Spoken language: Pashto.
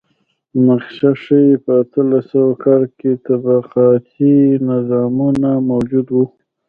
نقشه ښيي په اتلس سوه کال کې طبقاتي نظامونه موجود و.